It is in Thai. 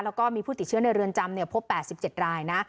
แล้วก็มีผู้ติดเชื้อในเรือนจำเนี่ยพบแปดสิบเจ็ดรายนะ